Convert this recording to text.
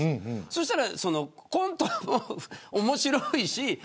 そうしたら、コントも面白いし。